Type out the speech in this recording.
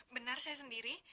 benar saya sendiri